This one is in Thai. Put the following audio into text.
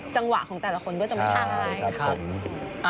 จังหวะของแต่ละคนก็จะมี